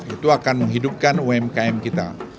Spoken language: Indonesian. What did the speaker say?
itu akan menghidupkan umkm kita